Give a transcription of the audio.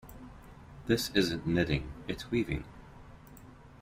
This isn't knitting, its weaving.